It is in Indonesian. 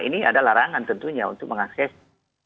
ini ada larangan tentunya untuk mengakses yang alami data dan kontak di